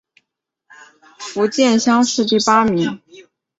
福建乡试第八名。